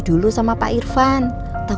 kita tak akan gantari